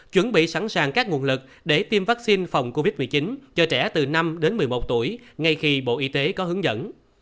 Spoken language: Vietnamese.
chuẩn bị sẵn sàng các nguồn lực để tiêm vaccine phòng covid một mươi chín cho trẻ từ năm đến một mươi một tuổi ngay khi bộ y tế có hướng dẫn